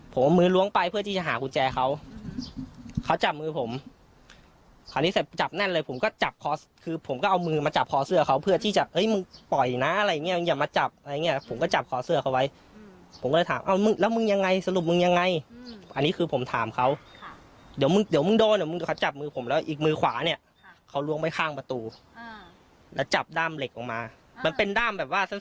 ผมเอามือล้วงไปเพื่อที่จะหากุญแจเขาเขาจับมือผมคราวนี้เสร็จจับแน่นเลยผมก็จับคอคือผมก็เอามือมาจับคอเสื้อเขาเพื่อที่จะเอ้ยมึงปล่อยนะอะไรอย่างเงี้ยอย่ามาจับอะไรอย่างเงี้ยผมก็จับคอเสื้อเขาไว้ผมก็เลยถามเอ้ามึงแล้วมึงยังไงสรุปมึงยังไงอันนี้คือผมถามเขาเดี๋ยวมึงเดี๋ยวมึงโดนเดี๋ยวมึงเขาจับม